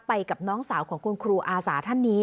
กับน้องสาวของคุณครูอาสาท่านนี้